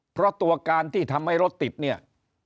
เพราะตัวการที่ทำให้รถติดเนี่ย